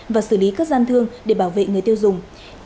và xử lý các gian thương để bảo vệ người tiêu dùng